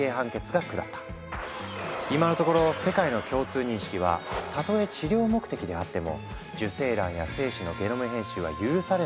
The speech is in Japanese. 今のところ世界の共通認識は「たとえ治療目的であっても受精卵や精子のゲノム編集は許されない」というもの。